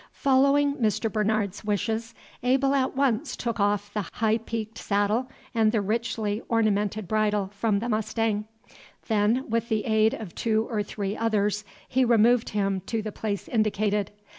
Following Mr. Bernard's wishes, Abel at once took off the high peaked saddle and the richly ornamented bridle from the mustang. Then, with the aid of two or three others, he removed him to the place indicated.